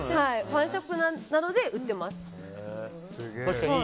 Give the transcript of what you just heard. ファンショップなどで売ってます。